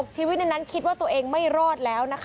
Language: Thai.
ชีวิตในนั้นคิดว่าตัวเองไม่รอดแล้วนะคะ